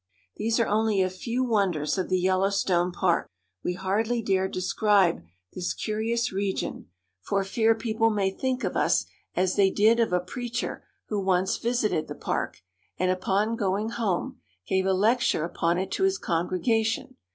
These are only a few wonders of the Yellowstone Park. We hardly dare describe this curious region, for fear peo Old Faith 288 YELLOWSTONE PARK. pie may think of us as they did of a preacher who once visited the Park, and, upon going home, gave a lec ture upon it to his congregation.